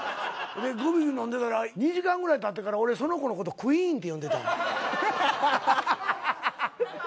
ぐびぐび飲んでたら２時間ぐらいたってから俺その子のことクイーンって呼んでた。